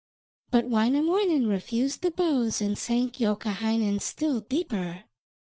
But Wainamoinen refused the bows and sank Youkahainen still deeper.